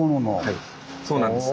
はいそうなんです。